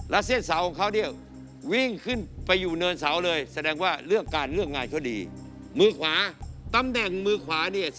แล้วเส้นสาวของเขานี่เหลือวิ่งขึ้นไปอยู่เนินเสาเลย